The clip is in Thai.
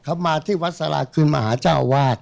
เขามาที่วัดสาราคืนมหาเจ้าวาด